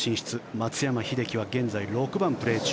松山英樹は現在６番プレー中。